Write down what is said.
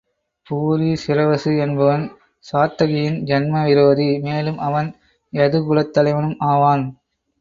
பூரிசிரவசு என்பவன் சாத்தகியின் ஜன்ம விரோதி மேலும் அவன் யதுகுலத்தலைவனும் ஆவான்.